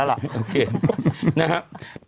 โอเคนะครับ